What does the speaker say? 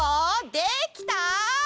できた？